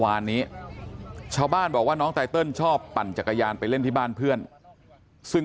วานนี้ชาวบ้านบอกว่าน้องไตเติลชอบปั่นจักรยานไปเล่นที่บ้านเพื่อนซึ่ง